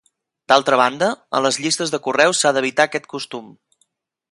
D'altra banda, a les llistes de correus s'ha d'evitar aquest costum.